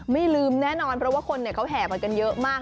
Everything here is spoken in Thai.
ไม่ลืมแน่นอนเพราะว่าคนเขาแห่มากันเยอะมาก